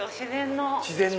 自然の。